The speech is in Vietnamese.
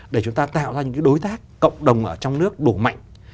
để chúng ta tạo ra những đối tác cộng đồng ở trong nước đủ mạnh